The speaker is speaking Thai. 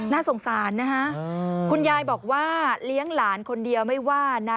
น่าสงสารนะฮะคุณยายบอกว่าเลี้ยงหลานคนเดียวไม่ว่านะ